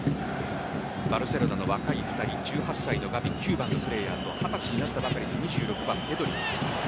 バルセロナの若い２人１８歳のガヴィ９番のプレーヤーと二十歳になったばかり２６番・ペドリ。